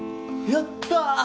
やった！